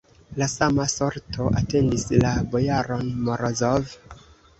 La sama sorto atendis la bojaron Morozov.